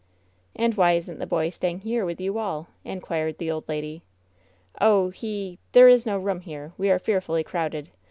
"And why isn't the boy staying here with you all ?" inquired the old lady. "Oh, he — there is no room here. We are fearfully crowded.